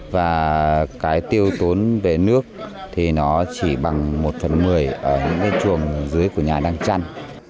và cái tiêu tốn về nước thì nó chỉ bằng một phần một mươi